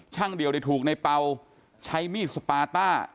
เดี่ยวถูกในเป่าใช้มีดสปาต้า